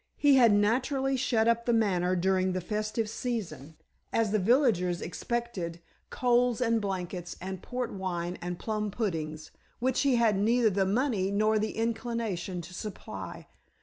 He had naturally shut up The Manor during the festive season, as the villagers expected coals and blankets and port wine and plum puddings, which he had neither the money nor the inclination to supply.